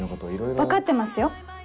分かってますよ